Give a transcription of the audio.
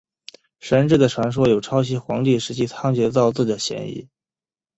神志的传说有抄袭黄帝时期仓颉造字的嫌疑。